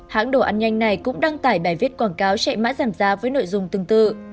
hãng đồ ăn nhanh này cũng đăng tải bài viết quảng cáo chạy mã giảm giá với nội dung tương tự